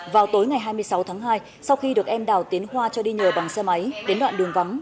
vào tối ngày hai mươi sáu tháng hai sau khi được em đào tiến hoa cho đi nhờ bằng xe máy đến đoạn đường vắng